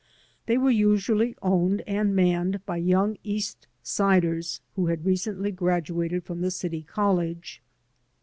They were usually owned and manned by young East Siders who had recently graduated from the City College.